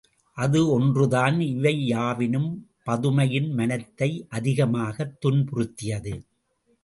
அது ஒன்று தான், இவை யாவினும் பதுமையின் மனத்தை அதிகமாகத் துன்புறுத்தியது.